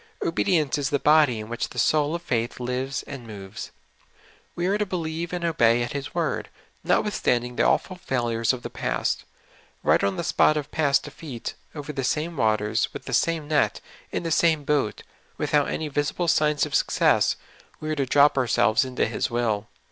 Obedience is the bod}^ in which the soul of faith lives and moves. We are to believe and obey at His word, notwithstanding the awful failures of the past ; right on the vSpot of past defeat, over the same waters, with the same net, in the same boat, without INTO THK DBKP. 89 any visible signs of success, we are to drop ourselves into His will.